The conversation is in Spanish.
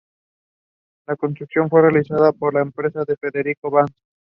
La construcción fue realizada por la empresa de Federico Bence.